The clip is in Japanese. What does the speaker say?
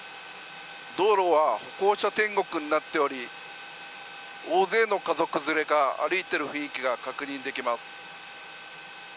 道路は歩行者天国になっており大勢の家族連れが歩いている雰囲気が確認できます。